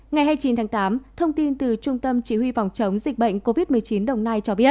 ngày hai mươi chín tháng tám thông tin từ trung tâm chỉ huy phòng chống dịch bệnh covid một mươi chín đồng nai cho biết